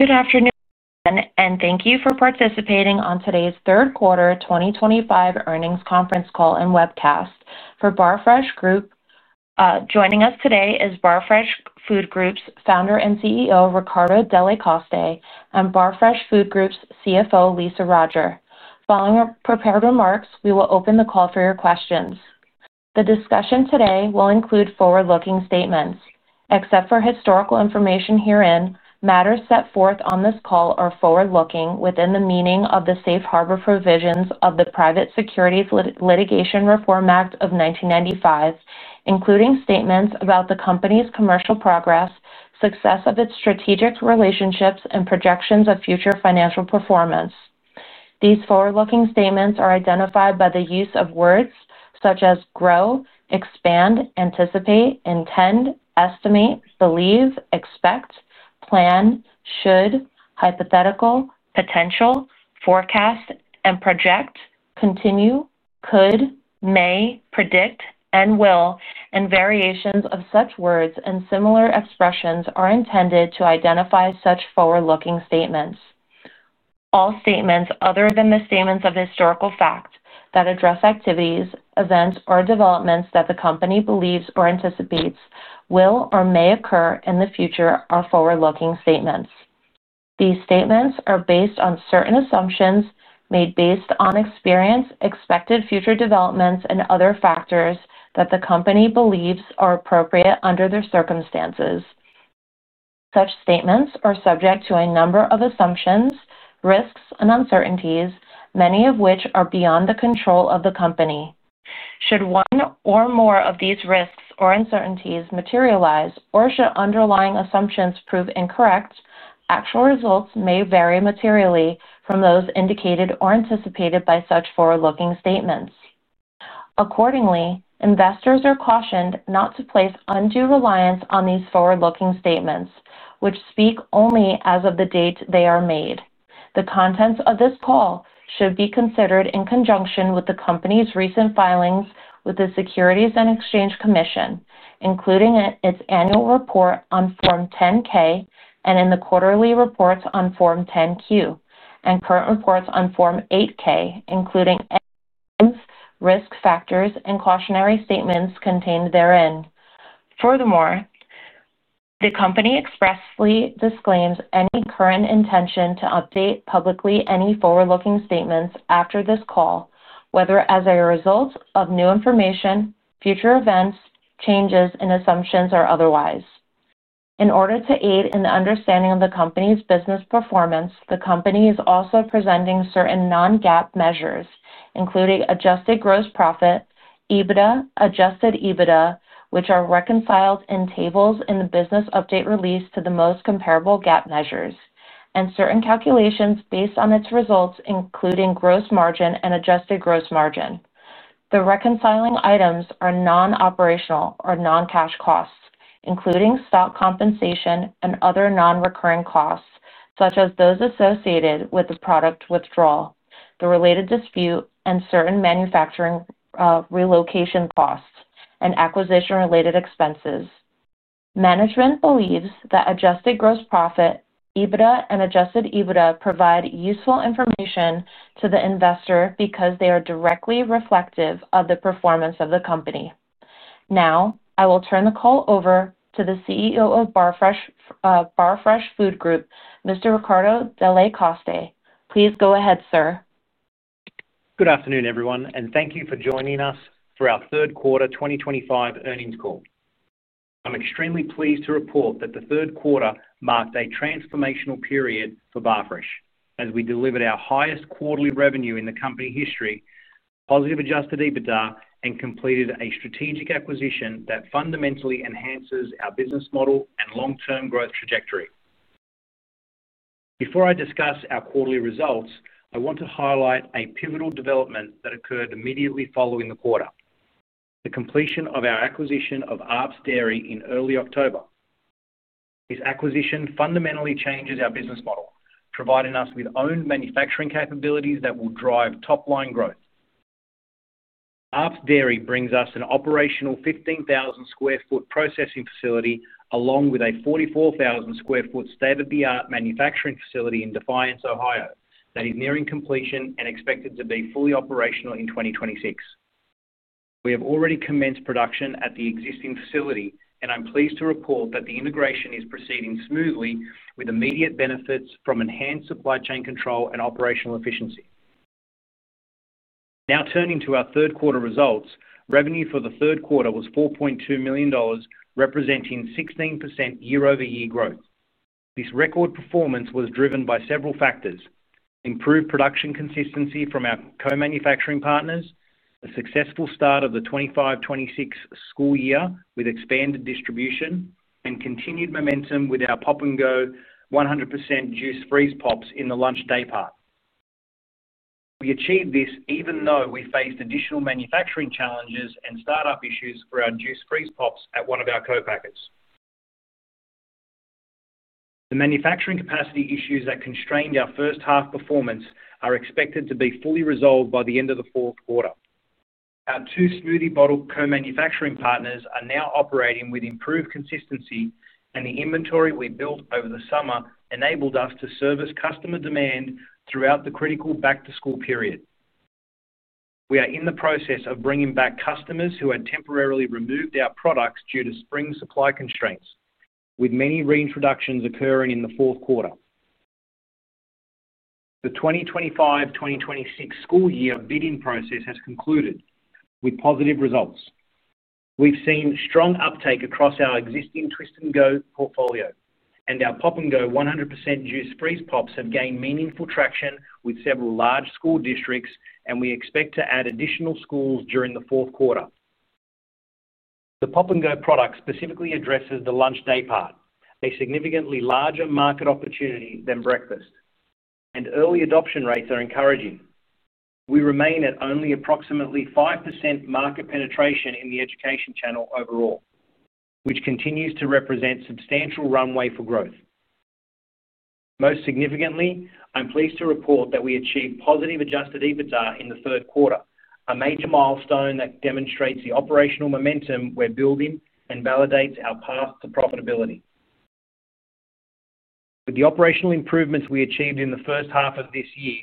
Good afternoon and thank you for participating on today's third quarter 2025 earnings conference call and webcast for Barfresh Food Group. Joining us today is Barfresh Food Group's founder and CEO, Riccardo Delle Coste, and Barfresh Food Group's CFO, Lisa Roger. Following prepared remarks, we will open the call for your questions. The discussion today will include forward-looking statements. Except for historical information herein, matters set forth on this call are forward-looking within the meaning of the safe harbor provisions of the Private Securities Litigation Reform Act of 1995, including statements about the company's commercial progress, success of its strategic relationships, and projections of future financial performance. These forward-looking statements are identified by the use of words such as grow, expand, anticipate, intend, estimate, believe, expect, plan, should, hypothetical, potential, forecast, and project, continue, could, may, predict, and will, and variations of such words and similar expressions are intended to identify such forward-looking statements. All statements other than the statements of historical fact that address activities, events, or developments that the company believes or anticipates will or may occur in the future are forward-looking statements. These statements are based on certain assumptions made based on experience, expected future developments, and other factors that the company believes are appropriate under their circumstances. Such statements are subject to a number of assumptions, risks, and uncertainties, many of which are beyond the control of the company. Should one or more of these risks or uncertainties materialize, or should underlying assumptions prove incorrect, actual results may vary materially from those indicated or anticipated by such forward-looking statements. Accordingly, investors are cautioned not to place undue reliance on these forward-looking statements, which speak only as of the date they are made. The contents of this call should be considered in conjunction with the company's recent filings with the Securities and Exchange Commission, including its annual report on Form 10-K and in the quarterly reports on Form 10-Q, and current reports on Form 8-K, including risk factors and cautionary statements contained therein. Furthermore, the company expressly disclaims any current intention to update publicly any forward-looking statements after this call, whether as a result of new information, future events, changes in assumptions, or otherwise. In order to aid in the understanding of the company's business performance, the company is also presenting certain non-GAAP measures, including adjusted gross profit, EBITDA, adjusted EBITDA, which are reconciled in tables in the business update release to the most comparable GAAP measures, and certain calculations based on its results, including gross margin and adjusted gross margin. The reconciling items are non-operational or non-cash costs, including stock compensation and other non-recurring costs such as those associated with the product withdrawal, the related dispute, and certain manufacturing relocation costs and acquisition-related expenses. Management believes that adjusted gross profit, EBITDA, and adjusted EBITDA provide useful information to the investor because they are directly reflective of the performance of the company. Now, I will turn the call over to the CEO of Barfresh Food Group, Mr. Riccardo Delle Coste. Please go ahead, sir. Good afternoon, everyone, and thank you for joining us for our third quarter 2025 earnings call. I'm extremely pleased to report that the third quarter marked a transformational period for Barfresh. As we delivered our highest quarterly revenue in the company history, positive adjusted EBITDA, and completed a strategic acquisition that fundamentally enhances our business model and long-term growth trajectory. Before I discuss our quarterly results, I want to highlight a pivotal development that occurred immediately following the quarter: the completion of our acquisition of Arps Dairy in early October. This acquisition fundamentally changes our business model, providing us with owned manufacturing capabilities that will drive top-line growth. Arps Dairy brings us an operational 15,000 sq ft processing facility along with a 44,000 sq ft state-of-the-art manufacturing facility in Defiance, Ohio, that is nearing completion and expected to be fully operational in 2026. We have already commenced production at the existing facility, and I'm pleased to report that the integration is proceeding smoothly with immediate benefits from enhanced supply chain control and operational efficiency. Now turning to our third quarter results, revenue for the third quarter was $4.2 million, representing 16% year-over-year growth. This record performance was driven by several factors: improved production consistency from our co-manufacturing partners, a successful start of the 2025-2026 school year with expanded distribution, and continued momentum with our Pop-and-Go 100% Juice Freeze Pops in the lunch day part. We achieved this even though we faced additional manufacturing challenges and startup issues for our juice freeze pops at one of our co-packers. The manufacturing capacity issues that constrained our first-half performance are expected to be fully resolved by the end of the fourth quarter. Our two smoothie bottle co-manufacturing partners are now operating with improved consistency, and the inventory we built over the summer enabled us to service customer demand throughout the critical back-to-school period. We are in the process of bringing back customers who had temporarily removed our products due to spring supply constraints, with many reintroductions occurring in the fourth quarter. The 2025-2026 school year bidding process has concluded with positive results. We've seen strong uptake across our existing Twist-and-Go portfolio, and our Pop-and-Go 100% Juice Freeze Pops have gained meaningful traction with several large school districts, and we expect to add additional schools during the fourth quarter. The Pop-and-Go product specifically addresses the lunch day part, a significantly larger market opportunity than breakfast, and early adoption rates are encouraging. We remain at only approximately 5% market penetration in the education channel overall, which continues to represent a substantial runway for growth. Most significantly, I'm pleased to report that we achieved positive adjusted EBITDA in the third quarter, a major milestone that demonstrates the operational momentum we're building and validates our path to profitability. With the operational improvements we achieved in the first half of this year,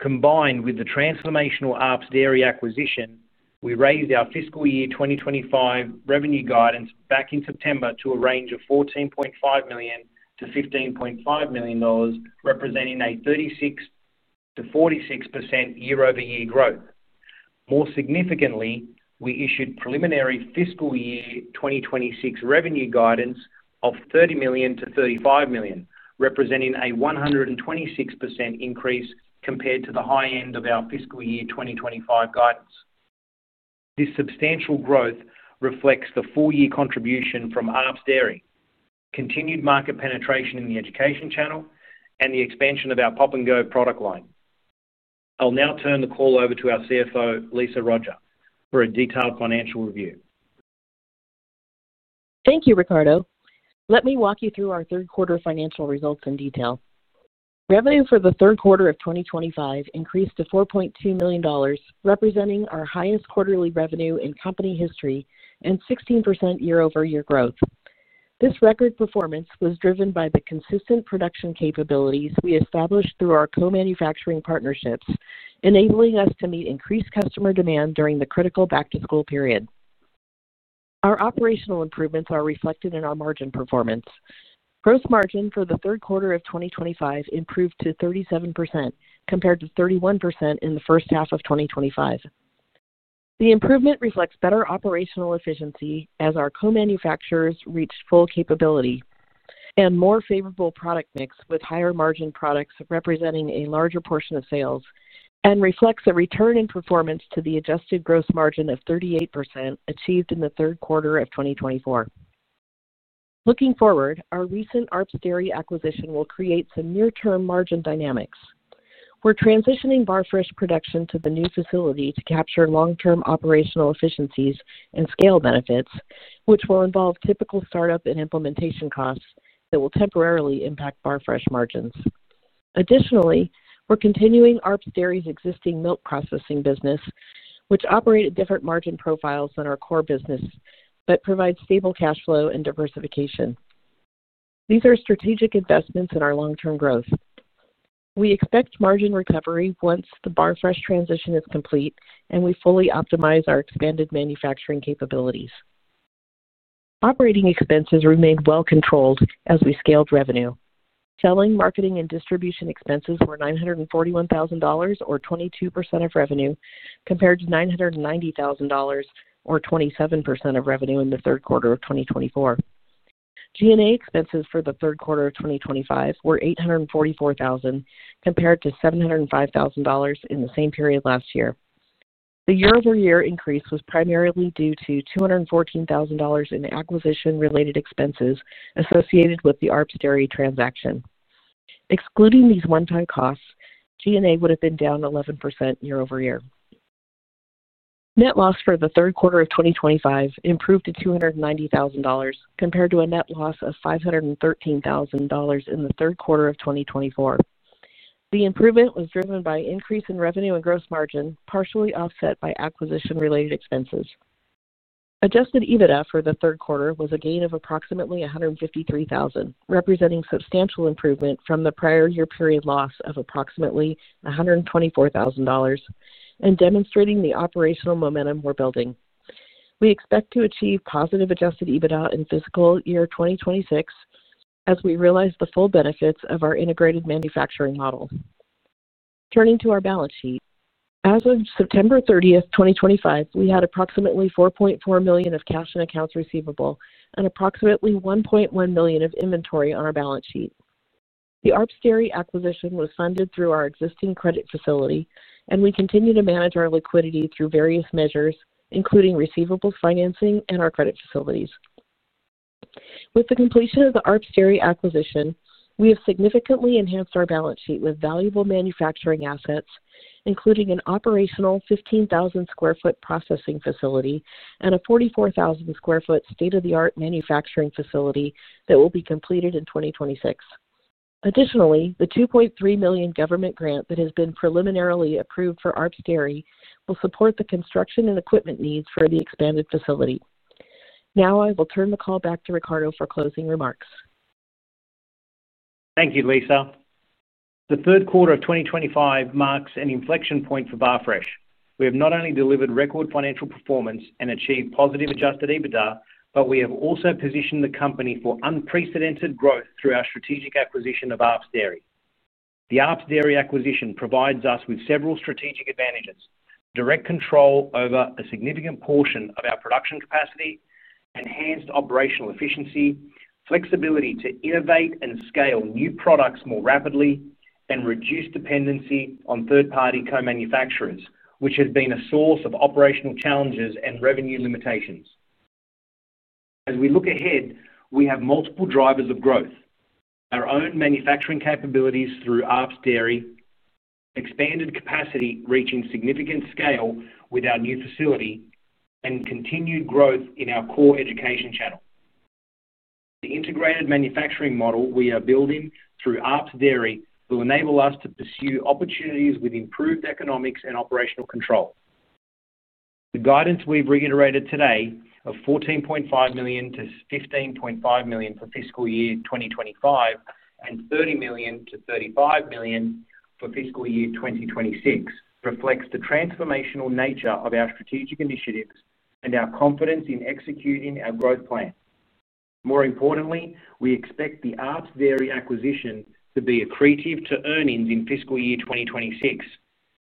combined with the transformational Arps Dairy acquisition, we raised our fiscal year 2025 revenue guidance back in September to a range of $14.5 million-$15.5 million, representing a 36%-46% year-over-year growth. More significantly, we issued preliminary fiscal year 2026 revenue guidance of $30 million-$35 million, representing a 126% increase compared to the high end of our fiscal year 2025 guidance. This substantial growth reflects the four-year contribution from Arps Dairy, continued market penetration in the education channel, and the expansion of our pop-and-go product line. I'll now turn the call over to our CFO, Lisa Roger, for a detailed financial review. Thank you, Ricardo. Let me walk you through our third-quarter financial results in detail. Revenue for the third quarter of 2025 increased to $4.2 million, representing our highest quarterly revenue in company history and 16% year-over-year growth. This record performance was driven by the consistent production capabilities we established through our co-manufacturing partnerships, enabling us to meet increased customer demand during the critical back-to-school period. Our operational improvements are reflected in our margin performance. Gross margin for the third quarter of 2025 improved to 37% compared to 31% in the first half of 2025. The improvement reflects better operational efficiency as our co-manufacturers reached full capability and more favorable product mix with higher margin products representing a larger portion of sales, and reflects a return in performance to the adjusted gross margin of 38% achieved in the third quarter of 2024. Looking forward, our recent Arps Dairy acquisition will create some near-term margin dynamics. We're transitioning Barfresh production to the new facility to capture long-term operational efficiencies and scale benefits, which will involve typical startup and implementation costs that will temporarily impact Barfresh margins. Additionally, we're continuing Arps Dairy's existing milk processing business, which operates at different margin profiles than our core business but provides stable cash flow and diversification. These are strategic investments in our long-term growth. We expect margin recovery once the Barfresh transition is complete and we fully optimize our expanded manufacturing capabilities. Operating expenses remained well-controlled as we scaled revenue. Selling, marketing, and distribution expenses were $941,000, or 22% of revenue, compared to $990,000, or 27% of revenue in the third quarter of 2024. G&A expenses for the third quarter of 2025 were $844,000, compared to $705,000 in the same period last year. The year-over-year increase was primarily due to $214,000 in acquisition-related expenses associated with the Arps Dairy transaction. Excluding these one-time costs, G&A would have been down 11% year-over-year. Net loss for the third quarter of 2025 improved to $290,000 compared to a net loss of $513,000 in the third quarter of 2024. The improvement was driven by an increase in revenue and gross margin, partially offset by acquisition-related expenses. Adjusted EBITDA for the third quarter was a gain of approximately $153,000, representing a substantial improvement from the prior year-period loss of approximately $124,000. Demonstrating the operational momentum we're building. We expect to achieve positive adjusted EBITDA in fiscal year 2026 as we realize the full benefits of our integrated manufacturing model. Turning to our balance sheet, as of September 30, 2025, we had approximately $4.4 million of cash and accounts receivable and approximately $1.1 million of inventory on our balance sheet. The Arps Dairy acquisition was funded through our existing credit facility, and we continue to manage our liquidity through various measures, including receivables financing and our credit facilities. With the completion of the Arps Dairy acquisition, we have significantly enhanced our balance sheet with valuable manufacturing assets, including an operational 15,000 sq ft processing facility and a 44,000 sq ft state-of-the-art manufacturing facility that will be completed in 2026. Additionally, the $2.3 million government grant that has been preliminarily approved for Arps Dairy will support the construction and equipment needs for the expanded facility. Now, I will turn the call back to Riccardo for closing remarks. Thank you, Lisa. The third quarter of 2025 marks an inflection point for Barfresh. We have not only delivered record financial performance and achieved positive adjusted EBITDA, but we have also positioned the company for unprecedented growth through our strategic acquisition of Arps Dairy. The Arps Dairy acquisition provides us with several strategic advantages: direct control over a significant portion of our production capacity, enhanced operational efficiency, flexibility to innovate and scale new products more rapidly, and reduced dependency on third-party co-manufacturers, which has been a source of operational challenges and revenue limitations. As we look ahead, we have multiple drivers of growth: our own manufacturing capabilities through Arps Dairy, expanded capacity reaching significant scale with our new facility, and continued growth in our core education channel. The integrated manufacturing model we are building through Arps Dairy will enable us to pursue opportunities with improved economics and operational control. The guidance we've reiterated today of $14.5 million-$15.5 million for fiscal year 2025 and $30 million-$35 million for fiscal year 2026 reflects the transformational nature of our strategic initiatives and our confidence in executing our growth plan. More importantly, we expect the Arps Dairy acquisition to be accretive to earnings in fiscal year 2026,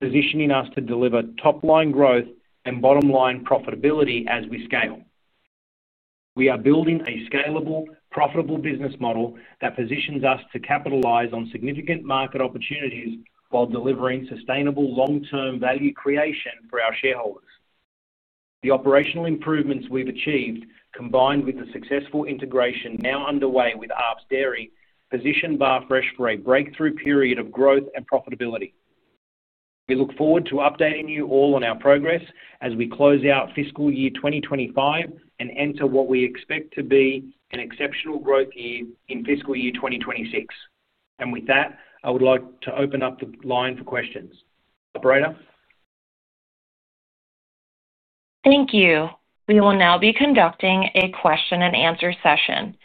positioning us to deliver top-line growth and bottom-line profitability as we scale. We are building a scalable, profitable business model that positions us to capitalize on significant market opportunities while delivering sustainable long-term value creation for our shareholders. The operational improvements we've achieved, combined with the successful integration now underway with Arps Dairy, position Barfresh for a breakthrough period of growth and profitability. We look forward to updating you all on our progress as we close out fiscal year 2025 and enter what we expect to be an exceptional growth year in fiscal year 2026. I would like to open up the line for questions. Operator. Thank you. We will now be conducting a question-and-answer session.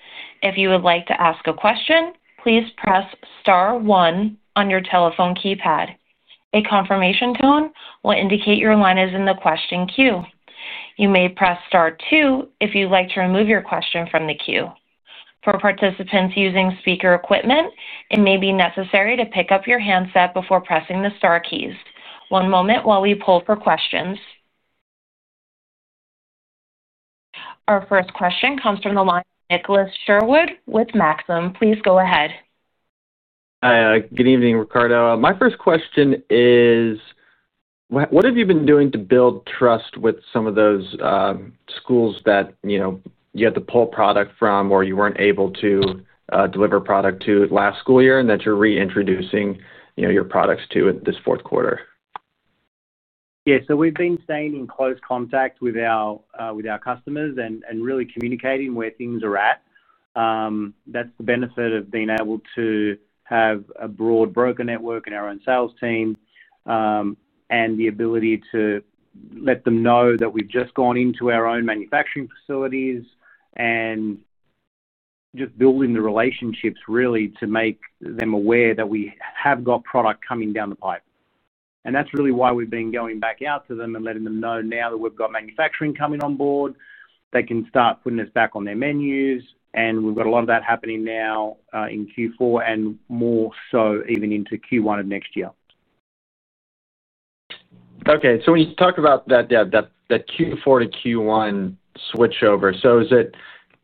If you would like to ask a question, please press star one on your telephone keypad. A confirmation tone will indicate your line is in the question queue. You may press star two if you'd like to remove your question from the queue. For participants using speaker equipment, it may be necessary to pick up your handset before pressing the star keys. One moment while we pull for questions. Our first question comes from the line of Nicholas Sherwood with Maxim Group. Please go ahead. Hi. Good evening, Riccardo. My first question is, what have you been doing to build trust with some of those schools that you had to pull product from or you were not able to deliver product to last school year and that you are reintroducing your products to in this fourth quarter? Yeah. We have been staying in close contact with our customers and really communicating where things are at. That is the benefit of being able to have a broad broker network and our own sales team. The ability to let them know that we have just gone into our own manufacturing facilities and just building the relationships really to make them aware that we have got product coming down the pipe. That is really why we have been going back out to them and letting them know now that we have got manufacturing coming on board, they can start putting us back on their menus. We have got a lot of that happening now in Q4 and more so even into Q1 of next year. Okay. So when you talk about that Q4 to Q1 switchover, is it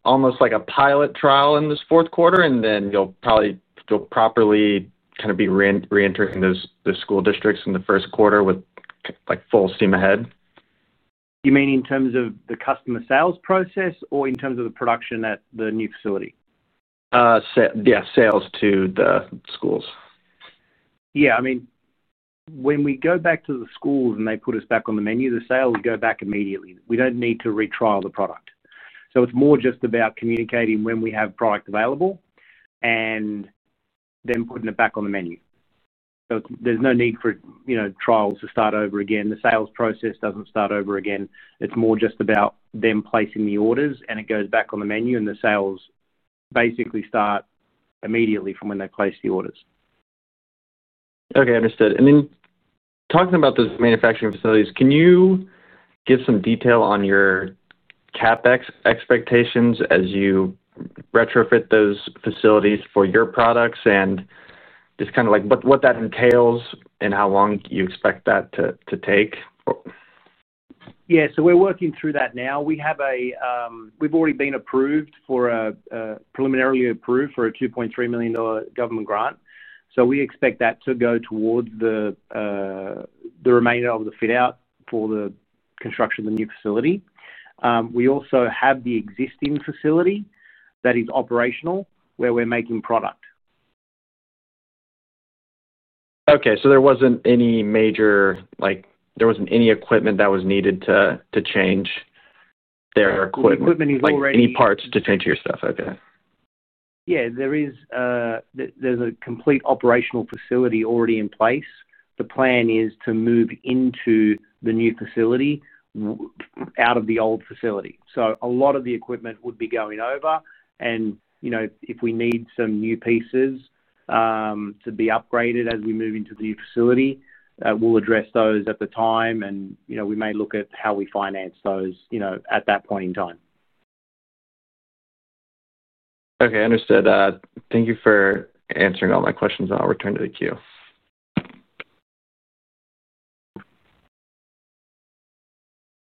almost like a pilot trial in this fourth quarter and then you'll probably properly kind of be reentering the school districts in the first quarter with full steam ahead? You mean in terms of the customer sales process or in terms of the production at the new facility? Yeah. Sales to the schools. Yeah. I mean, when we go back to the schools and they put us back on the menu, the sales go back immediately. We do not need to retrial the product. It is more just about communicating when we have product available. Then putting it back on the menu. There is no need for trials to start over again. The sales process does not start over again. It is more just about them placing the orders and it goes back on the menu and the sales basically start immediately from when they place the orders. Okay. Understood. And then talking about those manufacturing facilities, can you give some detail on your CapEx expectations as you retrofit those facilities for your products and just kind of what that entails and how long you expect that to take? Yeah. So we're working through that now. We've already been preliminarily approved for a $2.3 million government grant. We expect that to go towards the remainder of the fit-out for the construction of the new facility. We also have the existing facility that is operational where we're making product. Okay. So there wasn't any major—there wasn't any equipment that was needed to change their equipment. Equipment is already. Any parts to change your stuff. Okay. Yeah. There is a complete operational facility already in place. The plan is to move into the new facility out of the old facility. A lot of the equipment would be going over. If we need some new pieces to be upgraded as we move into the new facility, we will address those at the time. We may look at how we finance those at that point in time. Okay. Understood. Thank you for answering all my questions. I'll return to the queue.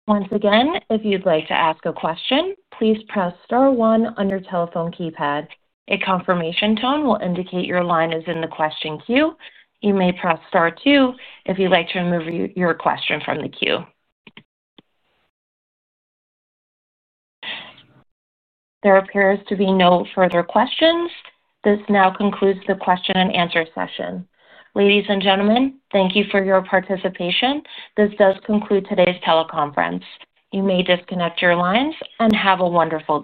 Once again, if you'd like to ask a question, please press star one on your telephone keypad. A confirmation tone will indicate your line is in the question queue. You may press star two if you'd like to remove your question from the queue. There appears to be no further questions. This now concludes the question and answer session. Ladies and gentlemen, thank you for your participation. This does conclude today's teleconference. You may disconnect your lines and have a wonderful day.